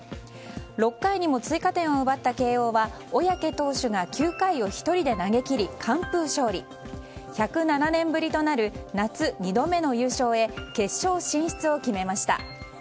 ６回にも追加点を奪った慶応は小宅投手が９回を１人で投げ切り完封勝利、１０７年ぶりとなる夏２度目の優勝へ決勝進出を決めました。